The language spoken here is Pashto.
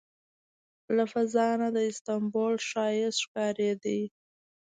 له فضا نه د استانبول ښایست ښکارېده.